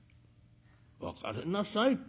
「別れなさいって」。